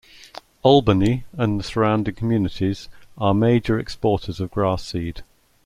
Albany and the surrounding communities are major exporters of grass seed.